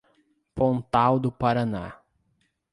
Pontal do Paraná